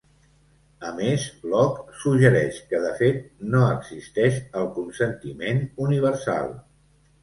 A més, Locke suggereix que de fet no "existeix" el consentiment universal.